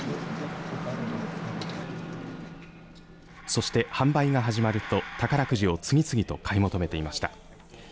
そして、販売が始まると宝くじを次々と買い求めていました。